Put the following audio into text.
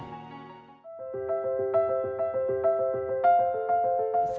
saya mencari pendidikan di bank indonesia